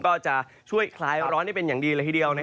ก็จะช่วยคลายร้อนได้เป็นอย่างดีเลยทีเดียว